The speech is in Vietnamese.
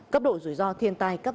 cấp độ rủi ro thiên tai cấp hai